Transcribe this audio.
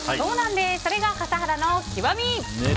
それが笠原の極み。